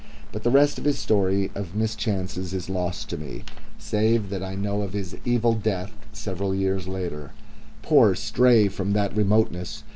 But the rest of his story of mischances is lost to me, save that I know of his evil death after several years. Poor stray from that remoteness!